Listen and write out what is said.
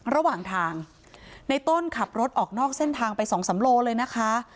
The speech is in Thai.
ระหว่างทางในต้นขับรถออกนอกเส้นทางไปสองสามโลเลยนะคะ